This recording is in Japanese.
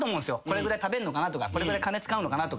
これぐらい食べるのかなとかこれぐらい金使うのかなとか。